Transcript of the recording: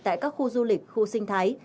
tại các khu du lịch khu sinh thái